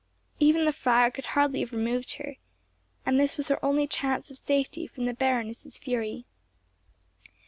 Even the friar could hardly have removed her, and this was her only chance of safety from the Baroness's fury.